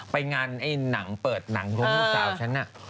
ไปงานนั่งเปิดหนังอ่ะ